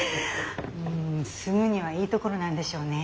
住むにはいいところなんでしょうね。